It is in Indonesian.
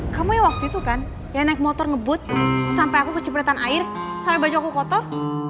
kamu yang waktu itu kan yang naik motor ngebut sampai kecepetan air selrian kotor